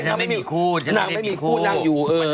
ฉันไม่ได้มีคู่